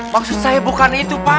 maksud saya bukan itu pak